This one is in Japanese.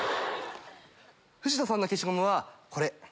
フジタさんの消しゴムはこれ。